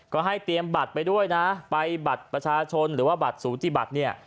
ก็ให้เตรียมบัตรไปด้วยนะไปบัตรประชาชนหรือว่าบัตรสูติบัตรเนี่ย